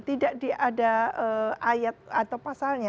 tidak ada ayat atau pasalnya